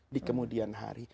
di kemudian hari